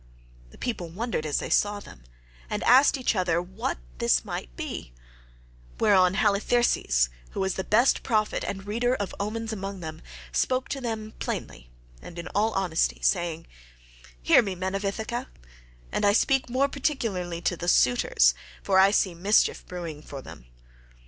The people wondered as they saw them, and asked each other what all this might be; whereon Halitherses, who was the best prophet and reader of omens among them, spoke to them plainly and in all honesty, saying: "Hear me, men of Ithaca, and I speak more particularly to the suitors, for I see mischief brewing for them.